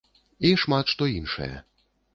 І шмат што іншае.